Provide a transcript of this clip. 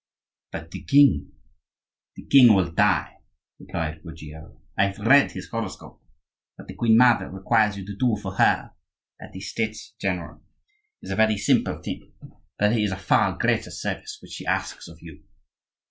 "But the king?" "The king will die," replied Ruggiero; "I have read his horoscope. What the queen mother requires you to do for her at the States general is a very simple thing; but there is a far greater service which she asks of you.